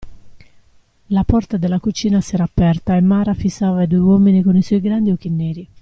La porta della cucina si era aperta e Mara fissava i due uomini coi suoi grandi occhi neri.